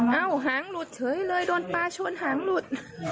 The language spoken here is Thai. เอ้าหางหลุดเฉยเลยโดนปลาชวนหางหลุด